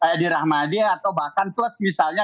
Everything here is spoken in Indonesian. edi rahmayadi atau bahkan plus misalnya